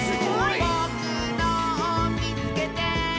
「ぼくのをみつけて！」